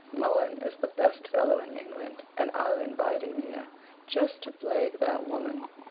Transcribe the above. Mohun is the best fellow in England; and I'll invite him here, just to plague that woman.